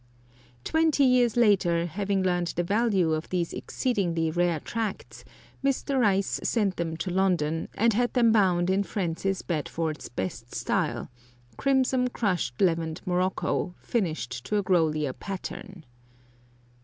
Twenty years later, having learned the value of these exceedingly rare tracts, Mr. Rice sent them to London and had them bound in Francis Bedford's best style "crimson crushed levant morocco, finished to a Grolier pattern."